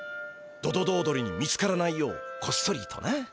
ドドドー鳥に見つからないようこっそりとな。